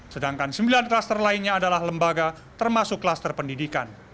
sedangkan sembilan klaster lainnya adalah lembaga termasuk klaster pendidikan